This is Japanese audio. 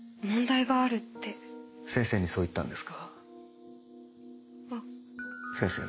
先生もそう思ってるんですか？